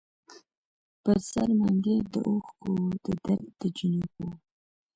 پر سر منګي د اوښکـــــو وو د درد دجینکــــو